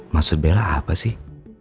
maksud bella apa sih